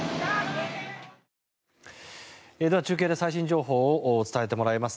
では、中継で最新情報を伝えてもらいます。